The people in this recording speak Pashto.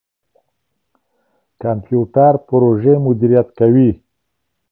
کمپيوټر پروژې مديريت کوي.